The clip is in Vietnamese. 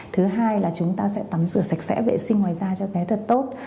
thứ hai là chúng ta sẽ tắm rửa sạch sẽ vệ sinh ngoài da cho bé thật tốt